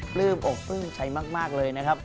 ปลื้มอกปลื้มใจมากเลยนะครับ